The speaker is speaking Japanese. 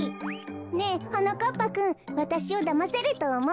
ねえはなかっぱくんわたしをだませるとおもう？